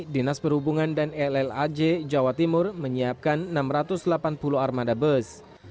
dinas perhubungan dan lllaj jawa timur menyiapkan enam ratus delapan puluh armada bus